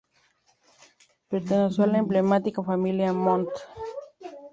Perteneció a la emblemática familia Montt.